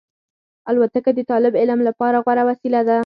الوتکه د طالب علم لپاره غوره وسیله ده.